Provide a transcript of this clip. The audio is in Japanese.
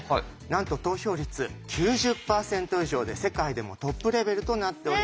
なんと投票率９０％以上で世界でもトップレベルとなっております。